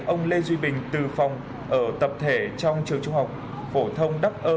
ông lê duy bình từ phòng ở tập thể trong trường trung học phổ thông đắc ơ